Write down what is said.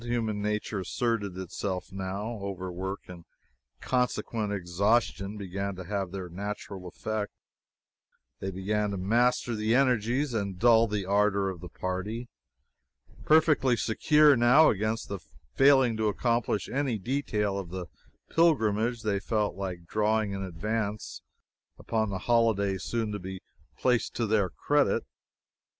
Human nature asserted itself, now. Overwork and consequent exhaustion began to have their natural effect. They began to master the energies and dull the ardor of the party. Perfectly secure now, against failing to accomplish any detail of the pilgrimage, they felt like drawing in advance upon the holiday soon to be placed to their credit.